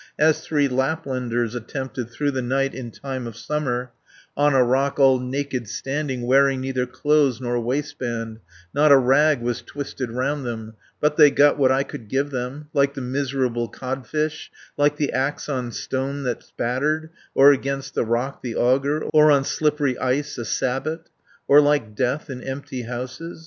As three Laplanders attempted Through the night in time of summer, On a rock all naked standing, Wearing neither clothes nor waistband; Not a rag was twisted round them, 150 But they got what I could give them, Like the miserable codfish, Like the axe on stone that's battered, Or against the rock the auger, Or on slippery ice a sabot, Or like Death in empty houses.